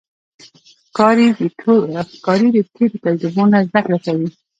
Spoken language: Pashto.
ښکاري د تیرو تجربو نه زده کړه کوي.